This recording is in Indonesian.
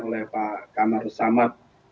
oleh pak kamarus samad